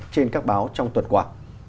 trên các báo trong tuần qua